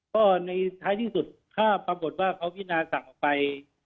ก็ในท้ายที่สุดถ้าปรากฏว่าเขาพินาสั่งออกไป